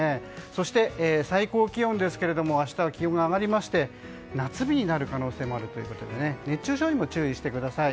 そして最高気温ですけれども明日は気温が上がりまして夏日になる可能性もあるということで熱中症にも注意してください。